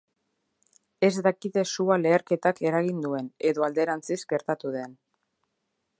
Ez dakite sua leherketak eragin duen, edo alderantziz gertatu den.